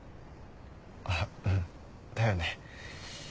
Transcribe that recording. あっうんだよね。